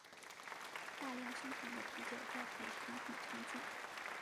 大量生产的啤酒在北韩很常见。